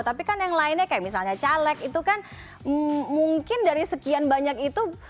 tapi kan yang lainnya kayak misalnya caleg itu kan mungkin dari sekian banyak itu